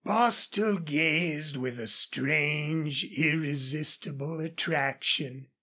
Bostil gazed with a strange, irresistible attraction.